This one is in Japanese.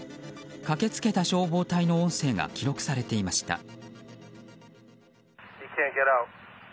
駆け付けた消防隊の音声が記録されていました。